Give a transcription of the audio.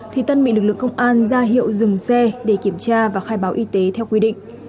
thì tân bị lực lượng công an ra hiệu dừng xe để kiểm tra và khai báo y tế theo quy định